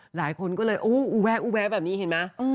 หลายคนก็เลยอู๊ยโอวแหวะแบบนี้เห็นไหมอืม